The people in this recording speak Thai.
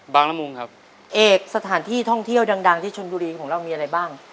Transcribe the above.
ละมุงครับเอกสถานที่ท่องเที่ยวดังดังที่ชนบุรีของเรามีอะไรบ้าง